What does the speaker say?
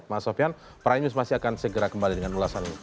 mas sofyan pramie masih akan segera kembali dengan ulasan ini